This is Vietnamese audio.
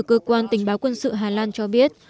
cơ quan tình báo quân sự hà lan cho biết